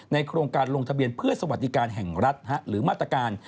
โครงการลงทะเบียนเพื่อสวัสดิการแห่งรัฐหรือมาตรการ